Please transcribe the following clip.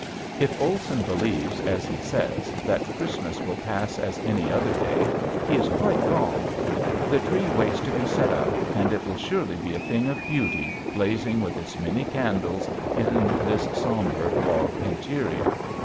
If Olson believes, as he says, that Christmas will pass as any other day he is quite wrong. The tree waits to be set up and it will surely be a thing of beauty blazing with its many candles in this somber log interior.